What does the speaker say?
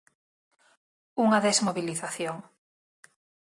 Unha "desmobilización".